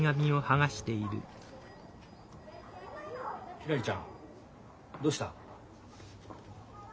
ひらりちゃんどうした？